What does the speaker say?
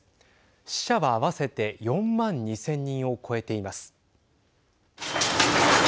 死者は合わせて４万２０００人を超えています。